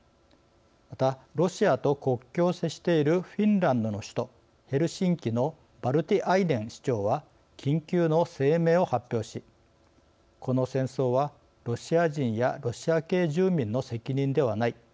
またロシアと国境を接しているフィンランドの首都ヘルシンキのヴァルティアイネン市長は緊急の声明を発表し「この戦争は、ロシア人やロシア系住民の責任ではない。